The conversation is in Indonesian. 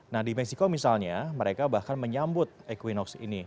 nah di meksiko misalnya mereka bahkan menyambut equinox ini